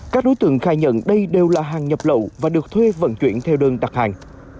các đối tượng khai nhận đây đều là hàng nhập lậu và được thuê vận chuyển theo đơn đặt hàng